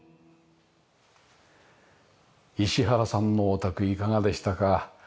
石原さんのお宅いかがでしたか？